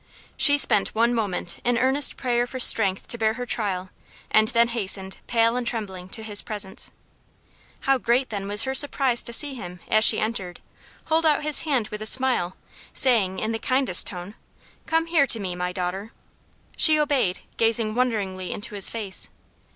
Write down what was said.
She spent one moment in earnest prayer for strength to bear her trial, and then hastened, pale and trembling, to his presence. How great, then, was her surprise to see him, as she entered, hold out his hand with a smile, saying, in the kindest tone, "Come here to me, my daughter!" She obeyed, gazing wonderingly into his face.